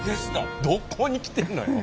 どこに来てんのよ。